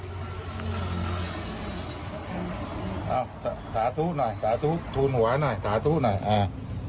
เอ้าสาธุหน่อยสาธุทูลหัวให้หน่อยสาธุหน่อยแอร์